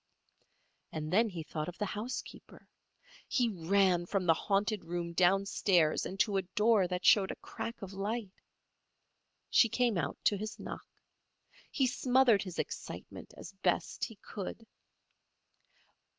And then he thought of the housekeeper. He ran from the haunted room downstairs and to a door that showed a crack of light. She came out to his knock. He smothered his excitement as best he could.